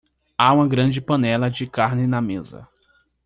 Há uma grande panela de carne na mesa.